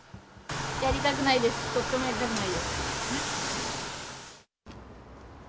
やりたくないです、とってもやりたくないです。